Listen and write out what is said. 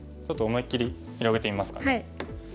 ちょっと思いっきり広げてみますかね。